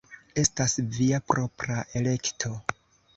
Estas via propra elekto.